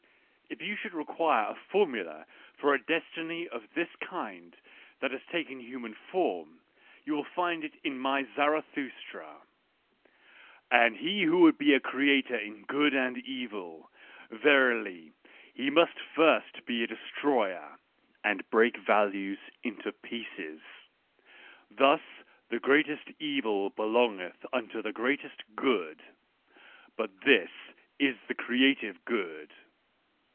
If you should require a formula for a destiny of this kind that has taken human form, you will find it in my Zarathustra. Digitized by Google WHY I AM A FATALITY 1 33 " And he who would be a creator in good and evil — verily, he must first be a destroyer, and break values into pieces. "Thus the greatest evil belongeth unto the greatest good : but this is the creative good."